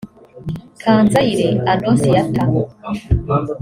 Kanzayire Anonsiyata